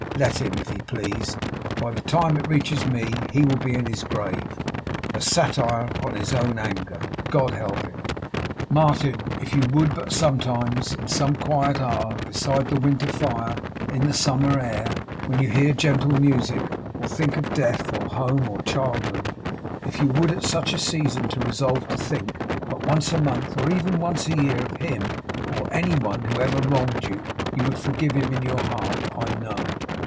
Let him, if he please! By the time it reaches me, he will be in his grave; a satire on his own anger, God help him!' 'Martin! If you would but sometimes, in some quiet hour; beside the winter fire; in the summer air; when you hear gentle music, or think of Death, or Home, or Childhood; if you would at such a season resolve to think, but once a month, or even once a year, of him, or any one who ever wronged you, you would forgive him in your heart, I know!